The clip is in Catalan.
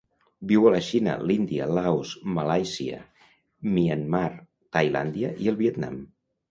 Viu a la Xina, l'Índia, Laos, Malàisia, Myanmar, Tailàndia i el Vietnam.